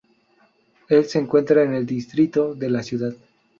El se encuentra en el distrito de la ciudad.